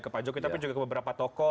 ke pak jokowi tapi juga ke beberapa toko